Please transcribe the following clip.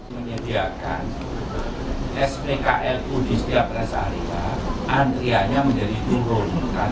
menyediakan spklu di setiap rest area antriannya menjadi turun